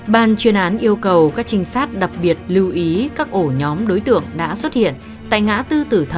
ban chuyên án yêu cầu các trinh sát đặc biệt lưu ý các ổ nhóm đối tượng đã xuất hiện tại ngã tư tử thần